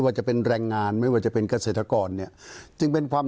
จะเป็นแรงงานไม่ว่าจะเป็นเกษตรกรเนี่ยจึงเป็นความ